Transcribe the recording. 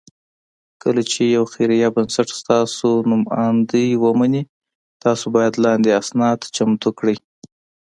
کله چې یو خیري بنسټ ستاسو نوماندۍ ومني، تاسو باید لاندې اسناد چمتو کړئ: